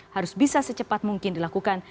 harus bisa secepat mungkin dilakukan